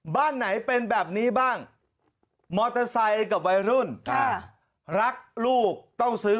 บ้านไหนเป็นแบบนี้บ้างมอเตอร์ไซค์กับวัยรุ่นรักลูกต้องซื้อ